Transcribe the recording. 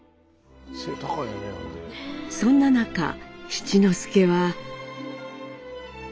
そんな中七之助は。